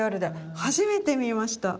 初めて見ました。